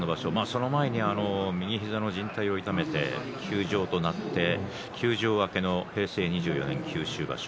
その前に右膝のじん帯を痛めて休場となって休場明けの平成２４年九州場所